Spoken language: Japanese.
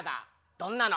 どんなの？